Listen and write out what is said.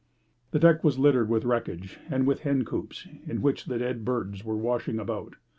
The deck was littered with wreckage and with hen coops, in which the dead birds were washing about.